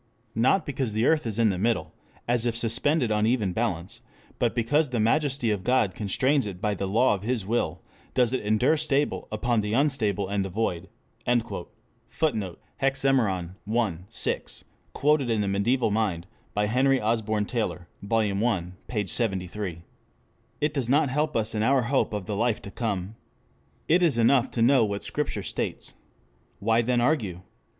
Not because the earth is in the middle, as if suspended on even balance, but because the majesty of God constrains it by the law of His will, does it endure stable upon the unstable and the void." [Footnote: Hexaemeron, i. cap 6, quoted in The Mediæval Mind, by Henry Osborn Taylor, Vol. i, p. 73.] It does not help us in our hope of the life to come. It is enough to know what Scripture states. Why then argue?